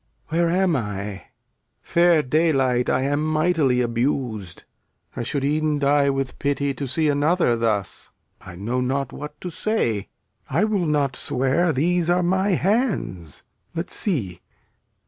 Where am I? Fair daylight, I am mightily abus'd. I should e'en die with pity, To see another thus. I know not what to say. I will not swear these are my hands. Let's see.